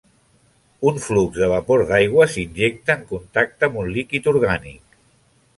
Un flux de vapor d'aigua s'injecta en contacte amb un líquid orgànic.